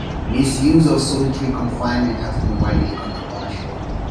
Misuse of solitary confinement has been widely controversial.